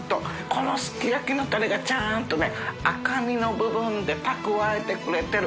このすき焼きのタレが舛磴鵑箸赤身の部分で蓄えてくれてる。